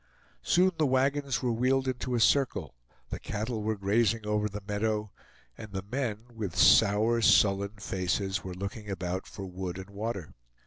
Soon the wagons were wheeled into a circle; the cattle were grazing over the meadow, and the men with sour, sullen faces, were looking about for wood and water.